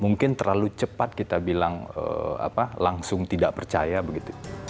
mungkin terlalu cepat kita bilang langsung tidak percaya begitu